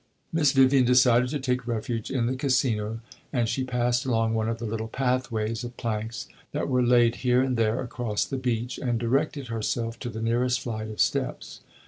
Miss Vivian decided to take refuge in the Casino, and she passed along one of the little pathways of planks that were laid here and there across the beach, and directed herself to the nearest flight of steps.